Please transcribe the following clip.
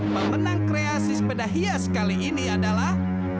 pemenang kreasi sepeda hias kali ini adalah